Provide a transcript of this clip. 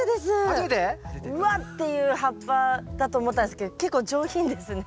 うわっていう葉っぱだと思ったんですけど結構上品ですね。